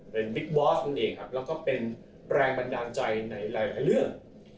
เป็นบิ๊กบอสนั่นเองครับแล้วก็เป็นแรงบันดาลใจในหลายเรื่อง